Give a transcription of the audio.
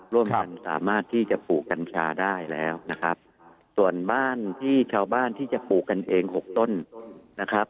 ร่วมกันสามารถที่จะปลูกกัญชาได้แล้วนะครับส่วนบ้านที่ชาวบ้านที่จะปลูกกันเองหกต้นนะครับ